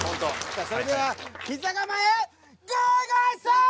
さあそれではピザ窯へゴイゴイスー！